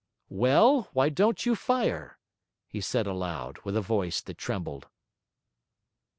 'Well, why don't you fire?' he said aloud, with a voice that trembled.